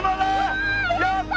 やった！